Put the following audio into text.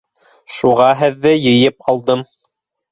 — Шуға һеҙҙе йыйып алдым.